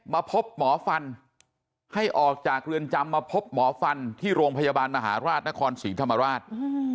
มาพบหมอฟันให้ออกจากเรือนจำมาพบหมอฟันที่โรงพยาบาลมหาราชนครศรีธรรมราช